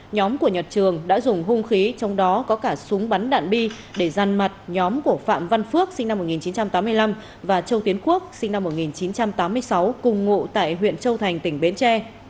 nhóm của nhật trường đã dùng hung khí trong đó có cả súng bắn đạn bi để răn mặt nhóm của phạm văn phước sinh năm một nghìn chín trăm tám mươi năm và châu tiến quốc sinh năm một nghìn chín trăm tám mươi sáu cùng ngụ tại huyện châu thành tỉnh bến tre